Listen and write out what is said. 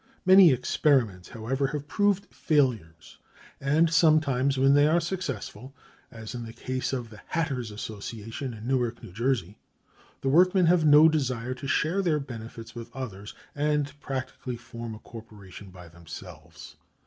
Many experiments, however, have proved failures; and sometimes, when they are successful (as in the case of the Hatters' Association in Newark, New Jersey(326)), the workmen have no desire to share their benefits with others, and practically form a corporation by themselves.